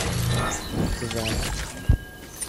Tbeɛ!